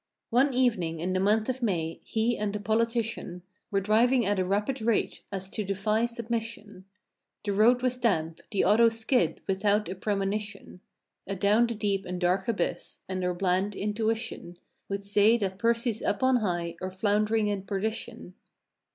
One evening in the month of May, he and a politician Were driving at a rapid rate as to defy submission. The road was damp—the auto skid without a pre¬ monition, A down the deep and dark abyss, and our bland intuition Would say that Percy's up on high, or flound'ring in perdition.